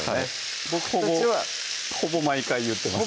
僕たちはほぼ毎回言ってます